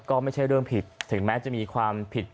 ก็ไม่ใช่เรื่องผิดถึงแม้จะมีความผิด